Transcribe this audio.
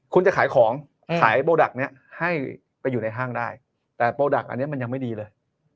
คุณจะขายของขายโปรดักต์นี้ให้ไปอยู่ในห้างได้แต่โปรดักต์อันนี้มันยังไม่ดีเลย